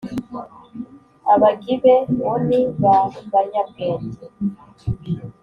abagibe woni ba banyabwenge